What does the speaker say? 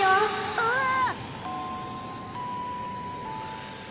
あっ？